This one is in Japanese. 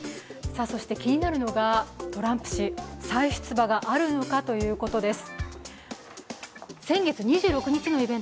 気になるのがトランプ氏、再出馬があるのかということです。